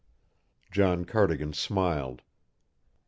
John Cardigan smiled.